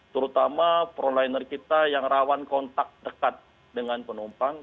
terutama proliner kita yang rawan kontak dekat dengan penumpang